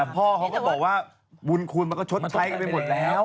แต่พ่อเค้าก็บอกว่าวุญคุณมันก็ชดใช้ไปหมดแล้ว